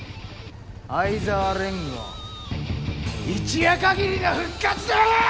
愛沢連合一夜かぎりの復活だよ！